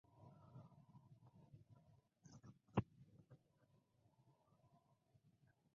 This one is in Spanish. La personalidad de Ban ha sido descrita por muchos como suave.